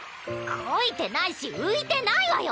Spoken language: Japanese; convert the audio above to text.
こいてないし浮いてないわよ！